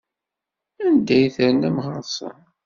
Anda ay ternam ɣer-sen?